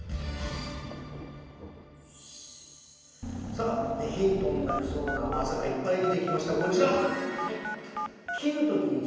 さあヒントになりそうな技がいっぱい出てきましたこちら。